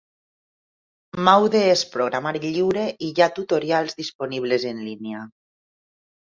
Maude és programari lliure i hi ha tutorials disponibles en línia.